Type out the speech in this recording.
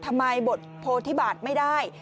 ทำไมบทโพธิบาทไม่ได้